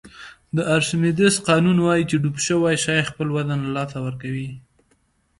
د ارشمیدس قانون وایي چې ډوب شوی شی خپل وزن له لاسه ورکوي.